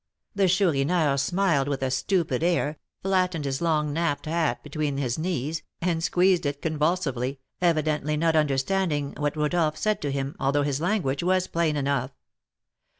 The Chourineur smiled with a stupid air, flattened his long napped hat between his knees, and squeezed it convulsively, evidently not understanding what Rodolph said to him, although his language was plain enough.